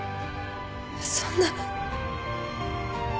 そんな